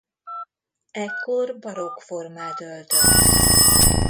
Ekkor barokk formát öltött.